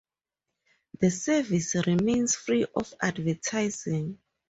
The service remains free of advertising.